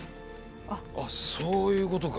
あそういうことか。